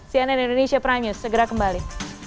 cnn indonesia prime news segera kembali